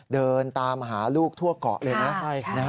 เดินตามหาลูกทั่วเกาะเลยนะ